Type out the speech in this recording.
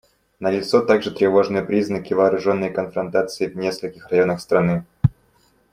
Налицо также тревожные признаки вооруженной конфронтации в нескольких районах страны.